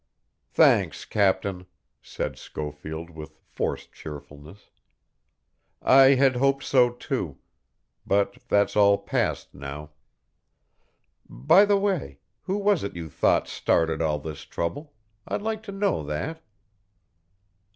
"Thanks, captain," said Schofield with forced cheerfulness. "I had hoped so, too. But that's all past now. By the way, who was it you thought started all this trouble? I'd like to know that."